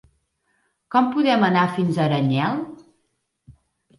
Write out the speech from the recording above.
Com podem anar fins a Aranyel?